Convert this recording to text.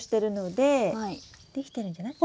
できてるんじゃない？